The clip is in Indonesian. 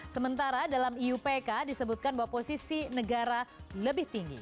sementara dalam iupk disebutkan bahwa posisi negara lebih tinggi